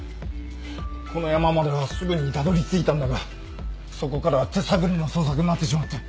この山まではすぐにたどりついたんだがそこからは手探りの捜索になってしまって。